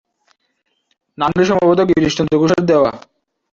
নামটি সম্ভবত গিরিশচন্দ্র ঘোষের দেওয়া।